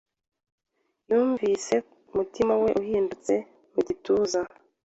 Yumvise umutima we uhindutse mu gituza.